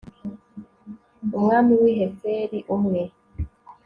umwami w'i heferi, umwe